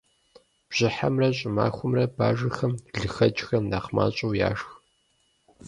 Бжьыхьэмрэ щӀымахуэмрэ бажэхэм лыхэкӏхэр нэхъ мащӏэу яшх.